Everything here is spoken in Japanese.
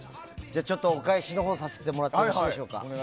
ちょっとお返しのほうをさせてもらってよろしいでしょうか。